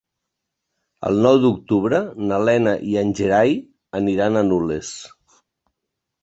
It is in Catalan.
El nou d'octubre na Lena i en Gerai aniran a Nules.